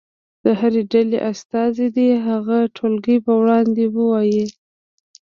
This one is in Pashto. د هرې ډلې استازی دې هغه ټولګي په وړاندې ووایي.